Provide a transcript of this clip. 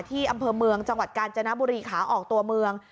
อำเภอเมืองจังหวัดกาญจนบุรีขาออกตัวเมือง